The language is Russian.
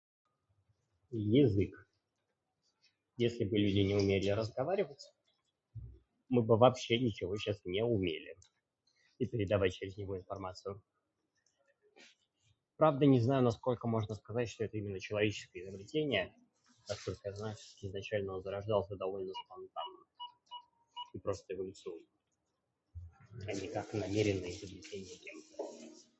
Язык. Если бы люди не умели разговаривать, мы бы вообще ничего сейчас не умели. И передавать через него информацию. Правда, не знаю, насколько можно сказать, что это именно человеческое изобретение, поскольку я знаю, что изначально он зарождался довольно спонтанно. И просто эволюционно, а не как намеренное изобретение кем-то.